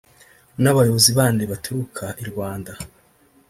n’abayobozi bandi baturukaga i Rwanda